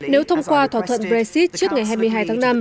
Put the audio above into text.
nếu thông qua thỏa thuận brexit trước ngày hai mươi hai tháng năm